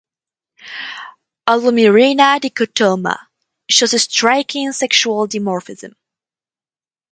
"Allomyrina dichotoma" shows a striking sexual dimorphism.